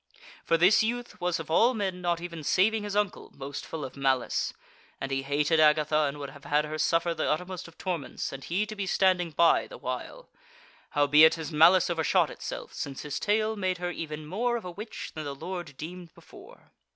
For this youth was of all men, not even saving his uncle, most full of malice; and he hated Agatha, and would have had her suffer the uttermost of torments and he to be standing by the while; howbeit his malice overshot itself, since his tale made her even more of a witch than the lord deemed before."